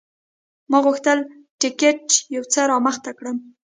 ما غوښتل ټکټ یو څه رامخته کړم.